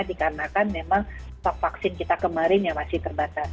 dikarenakan memang stok vaksin kita kemarin yang masih terbatas